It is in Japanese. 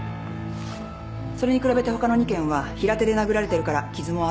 それに比べてほかの２件は平手で殴られてるから傷も浅い。